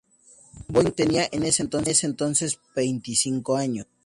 Boyd tenía en ese entonces veinticinco años.